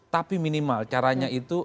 tapi minimal caranya itu